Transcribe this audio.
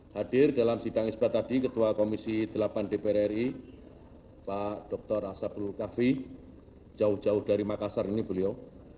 hadir dalam sidang isbat tadi ketua komisi delapan dpr ri pak dr asapul kafri jauh jauh dari makassar ini beliau